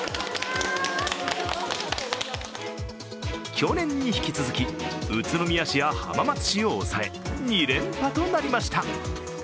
去年に引き続き、宇都宮市や浜松市を抑え、２連覇となりました。